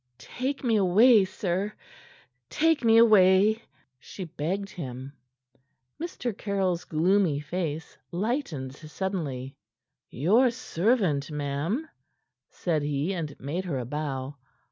"Take me away, sir! Take me away," she begged him. Mr. Caryll's gloomy face lightened suddenly. "Your servant, ma'am," said he, and made her a bow.